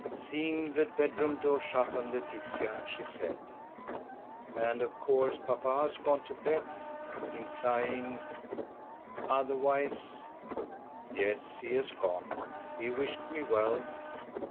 Seeing the bedroom door shut on Laetitia, she said: "And of course papa has gone to bed"; implying, "otherwise ..." "Yes, he has gone. He wished me well."